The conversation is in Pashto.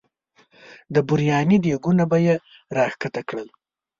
د بریاني دیګونه به یې را ښکته کړل.